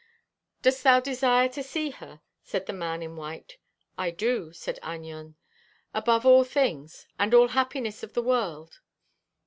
"Dost thou desire to see her?" said the man in white. "I do," said Einion, "above all things, and all happiness of the world."